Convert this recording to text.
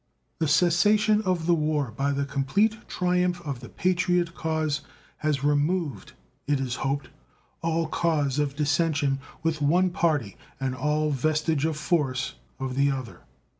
The cessation of the war by the complete triumph of the patriot cause has removed, it is hoped, all cause of dissension with one party and all vestige of force of the other.